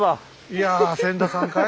いや千田さんかい？